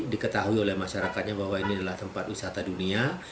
diketahui oleh masyarakatnya bahwa ini adalah tempat wisata dunia